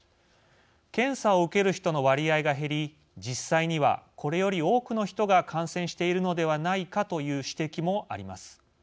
検査を受ける人の割合が減り実際には、これより多くの人が感染しているのではないかという指摘もあります。